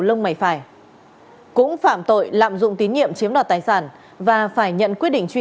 lông mày phải cũng phạm tội lạm dụng tín nhiệm chiếm đoạt tài sản và phải nhận quyết định truy